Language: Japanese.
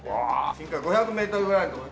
深海５００メートルぐらいの所で。